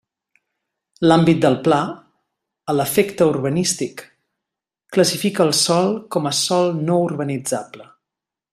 L'àmbit del Pla, a l'efecte urbanístic, classifica el sòl com a sòl no urbanitzable.